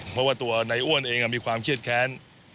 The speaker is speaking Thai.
เพราะว่าตัวนายอ้วนเองมีความเครียดแค้น